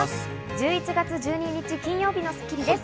１１月１２日、金曜日の『スッキリ』です。